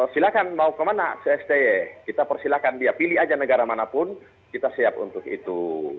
silahkan mau kemana sti kita persilahkan dia pilih aja negara manapun kita siap untuk itu